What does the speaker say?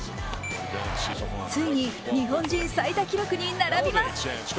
ついに日本人最多記録に並びます。